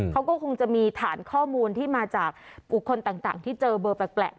เขาก็คงจะมีฐานข้อมูลที่มาจากบุคคลต่างที่เจอเบอร์แปลก